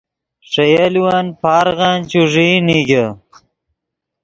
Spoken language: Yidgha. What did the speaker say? ݰے یولون پارغن چوݱیئی نیگے